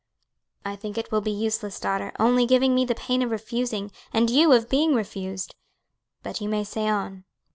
"I think it will be useless, daughter, only giving me the pain of refusing, and you of being refused; but you may say on."